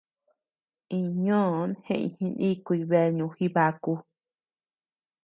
Iñ ñoʼon jeʼëñ jinikuy beanu Jibaku.